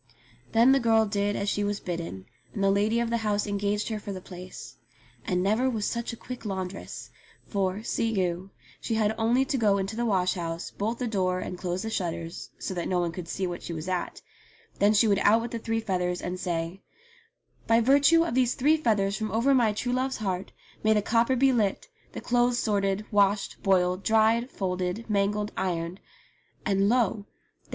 Then the girl did as she was bidden, and the lady of the house engaged her for the place. And never was such a quick laundress ; for, see you, she had only to go into the wash house, bolt the door and close the shutters, so that no one should see what she was at ; then she would out with the three feathers and say, "By virtue of these three feathers from over my true love's heart may the copper be lit, the clothes sorted, washed, boiled, dried, folded, mangled, ironed," and lo